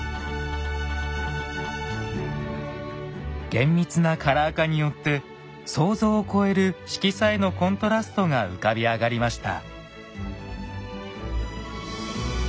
厳密なカラー化によって想像を超える色彩のコントラストが浮かび上がりました。